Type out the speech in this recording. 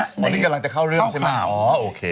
ตอนนี้กำลังจะเข้าเรื่องใช่ไหม